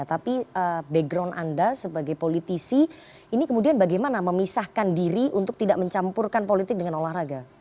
tapi background anda sebagai politisi ini kemudian bagaimana memisahkan diri untuk tidak mencampurkan politik dengan olahraga